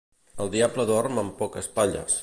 El diable dorm amb poques palles.